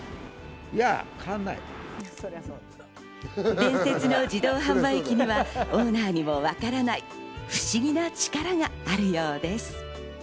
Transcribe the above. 伝説の自動販売機にはオーナーにもわからない不思議な力があるようです。